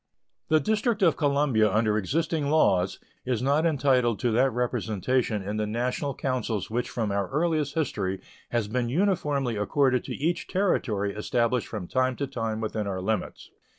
The District of Columbia under existing laws is not entitled to that representation in the national councils which from our earliest history has been uniformly accorded to each Territory established from time to time within our limits.